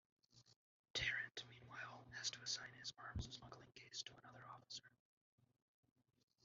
Tarrant, meanwhile, has to assign his arms-smuggling case to another officer.